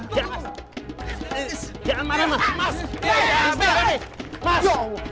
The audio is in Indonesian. jangan marah mas